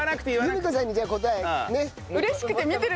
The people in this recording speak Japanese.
由美子さんにじゃあ答えねっ。